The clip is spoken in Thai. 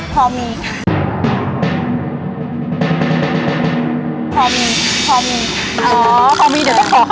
พอมีค่ะ